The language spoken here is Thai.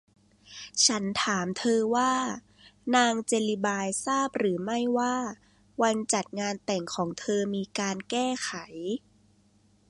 ฉันถามเธอว่า นางเจลลีบายทราบหรือไม่ว่าวันจัดงานแต่งของเธอมีการแก้ไข